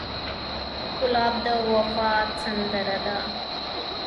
ګلاب د وفا سندره ده.